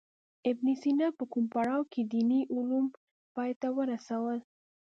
ابن سینا په کوم پړاو کې دیني علوم پای ته ورسول.